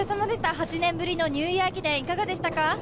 ８年ぶりのニューイヤー駅伝いかがでしたか？